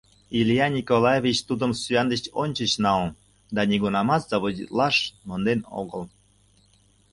Илья Николаевич тудым сӱан деч ончыч налын да нигунамат заводитлаш монден огыл.